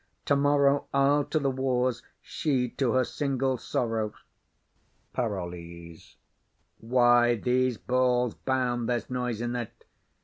Tomorrow I'll to the wars, she to her single sorrow. PAROLLES. Why, these balls bound; there's noise in it.